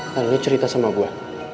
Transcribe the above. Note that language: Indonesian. kalian cerita sama gue